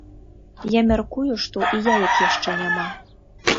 Я мяркую, што і яек яшчэ няма.